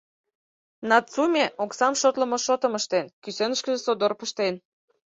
Нацуме, оксам шотлымо шотым ыштен, кӱсенышкыже содор пыштен.